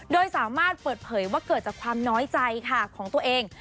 โดยสามารถเปิดเผยว่าเกิดจากความน้อยใจค่ะของตัวเอง